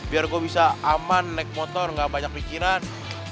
biar gue bisa aman naik motor gak banyak pikiran